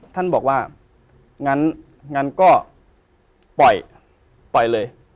ท่านบอกว่างั้นก็ปล่อยปล่อยเลย